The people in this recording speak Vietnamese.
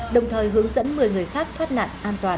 đồng thời hướng dẫn một mươi người khác thoát nạn an toàn